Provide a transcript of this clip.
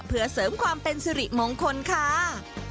เพื่อเสริมความเป็นสิริมงคลค่ะ